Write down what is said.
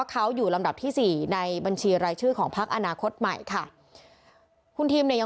ทั้งบนเวทีของพักอนาคตใหม่